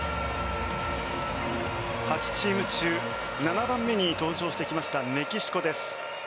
８チーム中７番目に登場してきましたメキシコです。